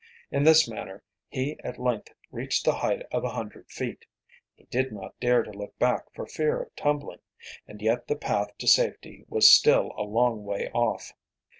In this manner he at length reached the height of a hundred feet. He did not dare to look back for fear of tumbling. And yet the path to safety was still a long way off.